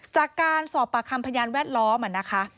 จากการสอบปากคำพยานแวดล้อมนะคะ